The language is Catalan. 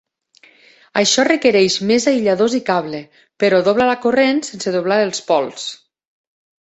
Això requereix més aïlladors i cable, però dobla la corrent sense doblar els pols.